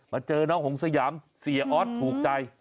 เจอน้องหงสยามเสียออสถูกใจ